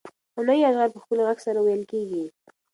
غنایي اشعار په ښکلي غږ سره ویل کېږي.